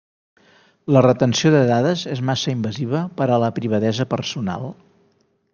La retenció de dades és massa invasiva per a la privadesa personal.